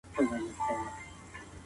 بد زړه غم راولي